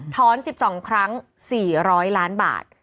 ๑๒ครั้ง๔๐๐ล้านบาท